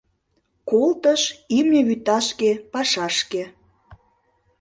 Колтыш имне вӱташке пашашке.